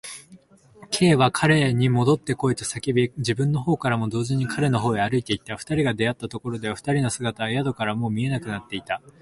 Ｋ は彼にもどってこいと叫び、自分のほうからも同時に彼のほうへ歩いていった。二人が出会ったところでは、二人の姿は宿屋からはもう見えなくなっていた。